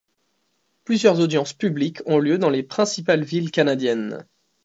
Plusieurs audiences publiques ont lieu dans les principales villes canadiennes.